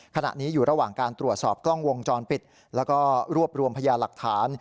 ขณะนี้อยู่ระหว่างการตรวจสอบกล้องวงจรปิดแล้วก็รวบรวมพยาหลักฐาน